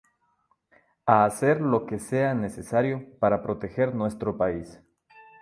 A hacer lo que sea necesario para proteger nuestro país.